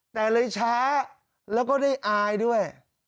แต่เลยช้าแล้วก็ได้อายด้วย